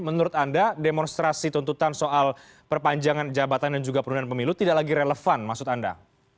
menurut anda demonstrasi tuntutan soal perpanjangan jabatan dan juga penundaan pemilu tidak lagi relevan maksud anda